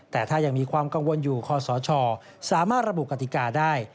แต่ถ้ายังมีความกังวลอยู่คอสชสามารถระบุกติกาได้